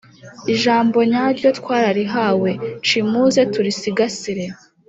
Ijambo nyaryo twararihawe cimuze turisigasire .